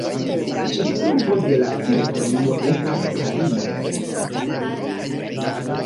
Ĉefurbo de la teritorio estas Kalio.